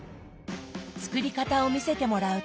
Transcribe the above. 作り方を見せてもらうと。